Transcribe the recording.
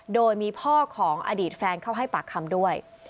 โดยมีพ่อของอดีตแฟนเข้าให้ปากคำด้วย